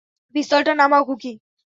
পিস্তলটা নামাও, খুকি।